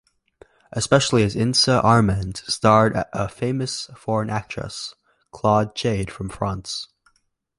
Especially as Inessa Armand starred a famous foreign actress: Claude Jade from France.